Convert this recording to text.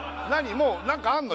もう何かあんの？